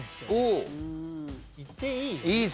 いっていい？